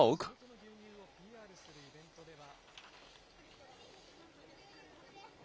地元の牛乳をＰＲするイベントでは。